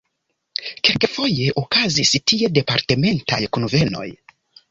Kelkfoje okazis tie departementaj kunvenoj.